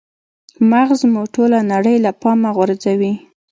مغز مو ټوله نړۍ له پامه غورځوي.